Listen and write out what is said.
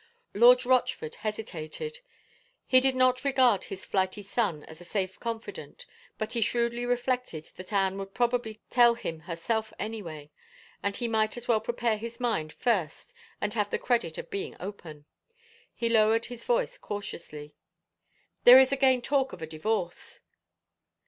Lord Rochford hesitated. He did not regard his flighty son as a safe confidant, but he shrewdly reflected that Anne would probably tell him herself anyway, and he might as well prepare his mind first and have the credit of being open. He lowered his voice cautiously. " There is again talk of a divorce